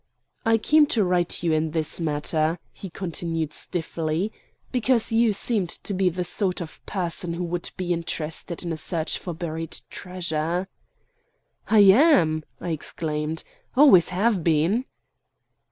"I came to you in this matter," he continued stiffly, "because you seemed to be the sort of person who would be interested in a search for buried treasure." "I am," I exclaimed. "Always have been."